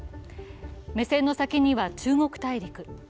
目線の先には中国大陸。